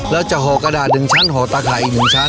แล้วจะห่อกระดาษ๑ชั้นห่อตาข่ายอีก๑ชั้น